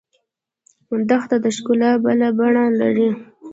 دښته د ښکلا بله بڼه لري.